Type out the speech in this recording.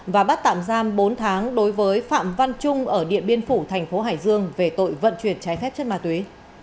và bắt tạm giam bốn tháng đối với phạm văn trung ở điện biên phủ thành phố hải dương về tội vận chuyển trái phép chất ma túy